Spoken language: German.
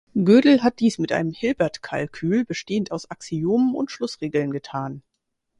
Gödel hat dies mit einem Hilbert-Kalkül, bestehend aus Axiomen und Schlussregeln, getan.